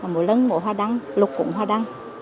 mùa lần mùa hoa đăng lục cũng hoa đăng